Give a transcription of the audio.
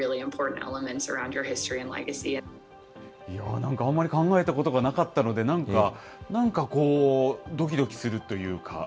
いやー、なんかあんまり考えたことがなかったので、なんか、なんかこうどきどきするというか。